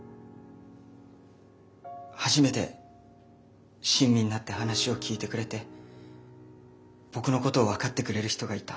初めて親身になって話を聞いてくれて僕のことを分かってくれる人がいた。